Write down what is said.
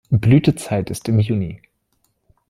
Blütezeit ist im Juni.